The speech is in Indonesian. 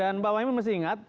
dan pak waimu mesti ingat